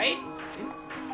えっ？